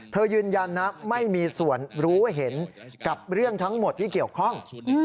ยืนยันนะไม่มีส่วนรู้เห็นกับเรื่องทั้งหมดที่เกี่ยวข้อง